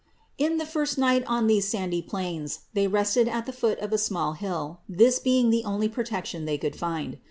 In the first night on these sandy plains they rested at the foot of a small hill, this being the only protection they could find.